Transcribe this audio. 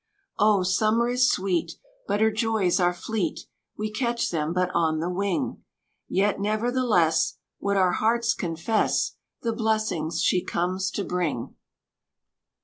O, Summer is sweet! But her joys are fleet; We catch them but on the wing: Yet never the less Would our hearts confess The blessings she comes to bring.